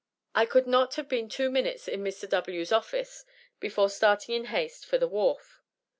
I could not have been two minutes in Mr. W.'s office before starting in haste for the wharf.